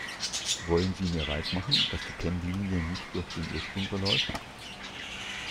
Wollen Sie mir weismachen, dass die Kennlinie nicht durch den Ursprung verläuft?